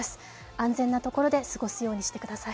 安全なところで過ごすようにしてください。